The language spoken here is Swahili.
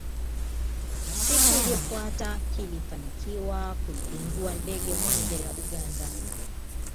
Siku iliyofuata kilifanikiwa kuidungua ndege moja ya Uganda